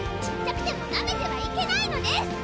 小っちゃくてもなめてはいけないのです